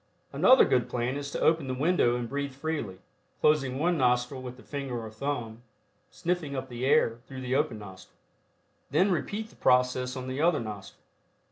Another good plan is to open the window and breathe freely, closing one nostril with the finger or thumb, sniffing up the air through the open nostril. Then repeat the process on the other nostril.